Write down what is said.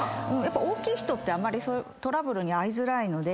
大きい人ってトラブルに遭いづらいので。